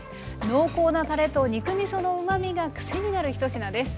濃厚なたれと肉みそのうまみが癖になる１品です。